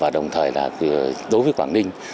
đồng thời là đối với quảng ninh